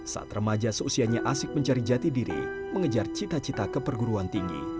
saat remaja seusianya asik mencari jati diri mengejar cita cita ke perguruan tinggi